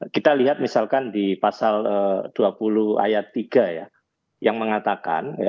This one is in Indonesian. kita lihat misalkan di pasal dua puluh ayat tiga ya yang mengatakan